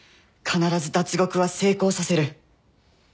必ず脱獄は成功させる。